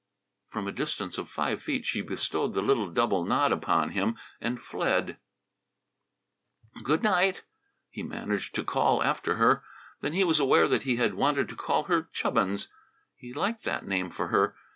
From a distance of five feet she bestowed the little double nod upon him and fled. "Good night!" he managed to call after her. Then he was aware that he had wanted to call her "Chubbins!" He liked that name for her.